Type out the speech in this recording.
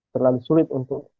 terlalu sulit untuk